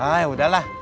ah ya udahlah